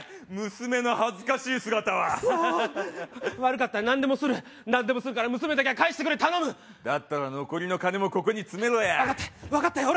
娘の恥ずかしい姿はクソ悪かった何でもする何でもするから娘だけは返してくれ頼むだったら残りの金もここに詰めろや分かった分かったよ